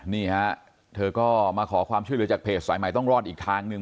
นี่ฮะเธอก็มาขอความช่วยเหลือจากเพจสายใหม่ต้องรอดอีกทางหนึ่ง